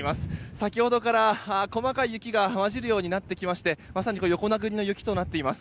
先ほどから、細かい雪が混じるようになってきましてまさに横殴りの雪となっています。